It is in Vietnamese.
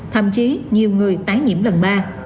thậm chí nhiều người tái nhiễm lần ba